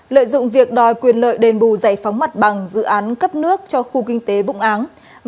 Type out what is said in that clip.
lợi dụng việc đòi quyền lợi đền bù giải phóng mặt bằng dự án cấp nước cho khu kinh tế vụng áng